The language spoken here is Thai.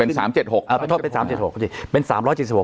เป็นสามเจ็ดหกเป็นสามเจ็ดหกเป็นสามร้อยเจ็ดสิบหก